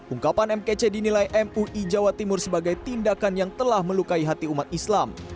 ungkapan mkc dinilai mui jawa timur sebagai tindakan yang telah melukai hati umat islam